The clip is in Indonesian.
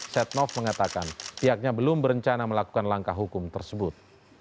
setnov mengatakan pihaknya belum berencana melakukan langkah hukum tersebut